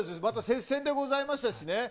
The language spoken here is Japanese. また接戦でございましたしね。